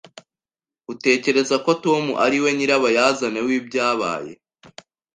Utekereza ko Tom ariwe nyirabayazana w'ibyabaye?